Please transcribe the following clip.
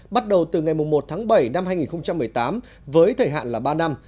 bắt đầu từ ngày một tháng bảy năm hai nghìn một mươi tám với thời hạn là ba năm